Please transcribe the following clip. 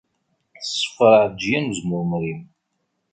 Tṣeffer Ɛelǧiya n Uzemmur Umeryem.